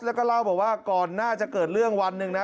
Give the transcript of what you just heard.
แล้วก็เล่าบอกว่าก่อนน่าจะเกิดเรื่องวันหนึ่งนะ